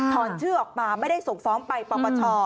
อนชื่อออกมาไม่ได้ส่งฟ้องไปปปช